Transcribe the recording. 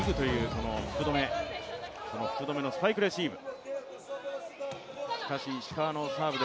その福留のスパイクレシーブ。